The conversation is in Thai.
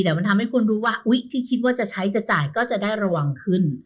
แต่มันทำให้คนรู้ที่คิดจะใช้จะจ่ายจะได้ระวังขึ้น